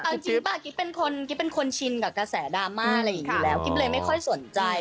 กริ๊ปเป็นคนชินกับกระแสดราม่าอะไรอย่างนี้แล้วกริ๊ปเลยไม่ค่อยสนใจ